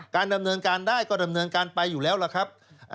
ดำเนินการได้ก็ดำเนินการไปอยู่แล้วล่ะครับ